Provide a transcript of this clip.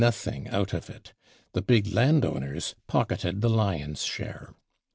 9 5 47 i ■ 1 nothing out of it ; the big landowners pocketed the lion's * .share.